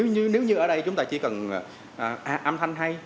nếu như ở đây chúng ta chỉ cần hát âm thanh hay